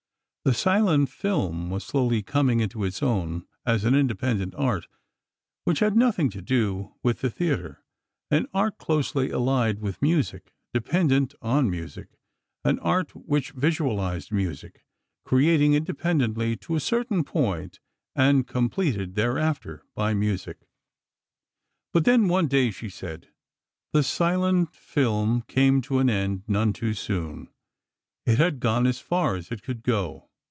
The silent film was slowly coming into its own as an independent art which had nothing to do with the theatre, an art closely allied with music, dependent on music, an art which visualized music, creating independently to a certain point and completed thereafter by music. But then, one day, she said: "The silent film came to an end none too soon; it had gone as far as it could go."